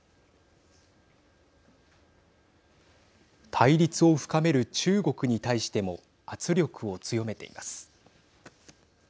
対立を深める中国に対しても圧力を強めています。